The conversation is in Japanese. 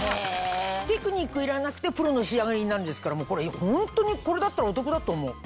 テクニックいらなくてプロの仕上がりになるんですからホントにこれだったらお得だと思う。